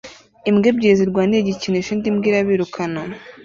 Imbwa ebyiri zirwanira igikinisho indi mbwa irabirukana